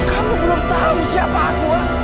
kalau belum tahu siapa aku